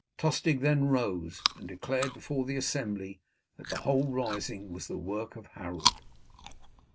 Tostig then rose and declared before the assembly that the whole rising was the work of Harold.